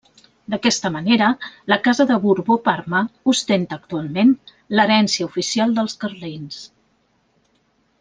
D'aquesta manera, la casa de Borbó-Parma ostenta actualment l'herència oficial dels carlins.